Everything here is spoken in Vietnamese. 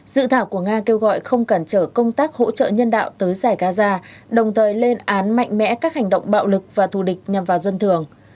dự thảo của nga kêu gọi không cản trở công tác hỗ trợ nhân đạo tới giải gaza đồng thời lên án mạnh mẽ các hành động bạo lực và thù địch nhằm vào dân thường